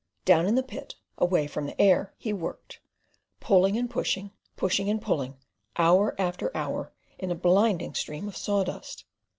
Down in the pit, away from the air, he worked; pulling and pushing, pushing and pulling, hour after hour, in a blinding stream of sawdust.